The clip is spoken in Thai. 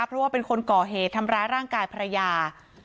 เพราะว่าเป็นคนก่อเหตุทำร้ายร่างกายภรรยา